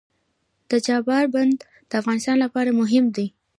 د چابهار بندر د افغانستان لپاره مهم دی.